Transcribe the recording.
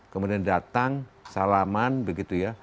kemudian datang salaman begitu ya